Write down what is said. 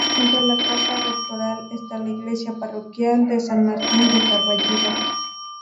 Junto a la casa rectoral está la iglesia parroquial de San Martín de Carballido.